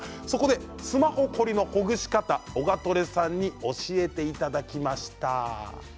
スマホ凝りのほぐし方をオガトレさんに教えていただきました。